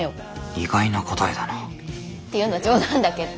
意外な答えだなっていうのは冗談だけど。